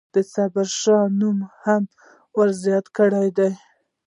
د صابرشاه نوم یې هم ورزیات کړی دی.